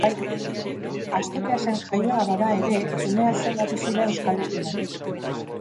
Asturiasen jaioa bada ere, umea zela bizi da Euskal Herrian.